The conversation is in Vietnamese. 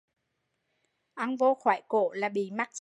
Ăn vô khỏi cổ là bị mắc xương